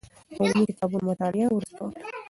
د عمومي کتابونو مطالعه وروسته وکړئ.